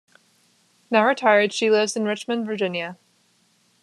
Now retired, she lives in Richmond, Virginia.